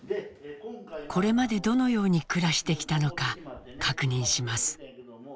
これまでどのように暮らしてきたのか確認します。